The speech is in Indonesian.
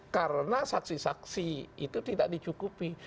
karena saksi saksi itu tidak dicukupi